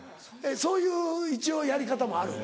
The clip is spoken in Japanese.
そういう一応やり方もある。